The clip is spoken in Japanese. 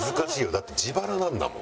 だって自腹なんだもん。